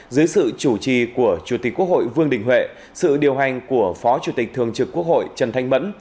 dưới sự chủ trì của chủ tịch quốc hội vương đình huệ sự điều hành của phó chủ tịch thường trực quốc hội trần thanh mẫn